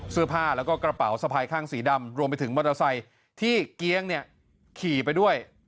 เสื้อผ้าแล้วก็กระเป๋าสะพายข้างสีดำรวมไปถึงมอเตอร์ไซค์ที่เกี๊ยงเนี่ยขี่ไปด้วย